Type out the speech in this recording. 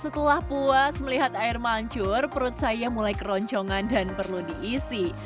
setelah puas melihat air mancur perut saya mulai keroncongan dan perlu diisi